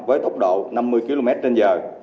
với tốc độ năm mươi kmh